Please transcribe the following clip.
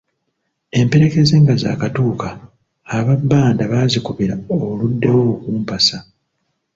Emperekeze nga zaakatuuka, aba bbanda baazikubira 'Oluddewo okumpasa!